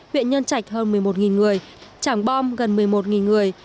huyện nhân trạch hơn một mươi một người trảng bom gần một mươi một người